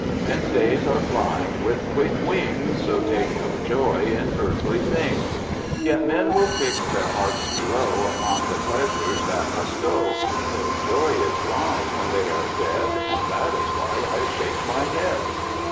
Men's days are flying with quick wings; So take no joy in earthly things. "Yet men will fix their hearts below Upon the pleasures that must go. Their joy is gone when they are dead; And that is why I shake my head."